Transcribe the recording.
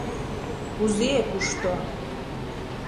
Кузе — кушто?